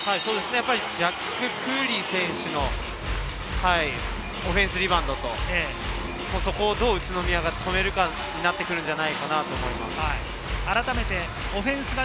クーリー選手のオフェンスリバウンドと、そこをどう宇都宮が止めるかになってくるんじゃないかなと思います。